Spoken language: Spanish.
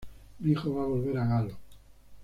Mi hijo va a volver a Galo.